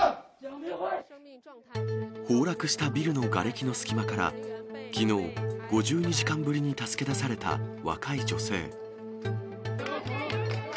崩落したビルのがれきの隙間からきのう、５２時間ぶりに助け出された若い女性。